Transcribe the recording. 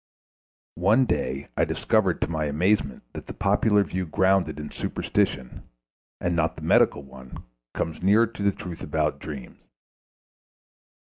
One day I discovered to my amazement that the popular view grounded in superstition, and not the medical one, comes nearer to the truth about dreams.